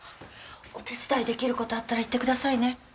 お手伝いできる事あったら言ってくださいね。